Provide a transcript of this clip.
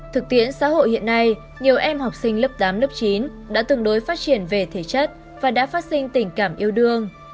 thực tiễn xã hội hiện nay nhiều em học sinh lớp tám lớp chín đã tương đối phát triển về thể chất và đã phát sinh tình cảm yêu đương